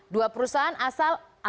dua perusahaan asal amerika